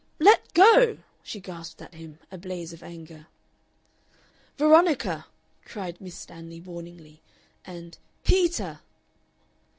"Let go!" she gasped at him, a blaze of anger. "Veronica!" cried Miss Stanley, warningly, and, "Peter!"